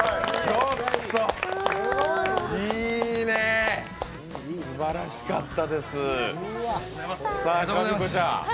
ちょっと、いいね、すばらしかったです。